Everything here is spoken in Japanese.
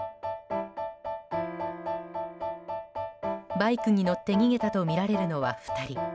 バイクに乗って逃げたとみられるのは２人。